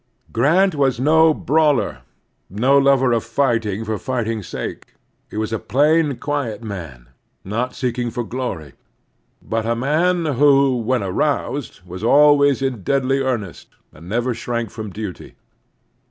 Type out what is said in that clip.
Grant was no brawler, no lover of fighting for fighting's sake. He was a plain, quiet man, not seeking for glory ; but a man who, when aroused, was always in deadly earnest, and who never shrank from duty.